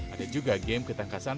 ada juga game ketangkasan